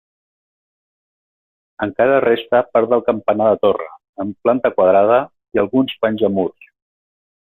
Encara resta part del campanar de torre, amb planta quadrada, i alguns panys de murs.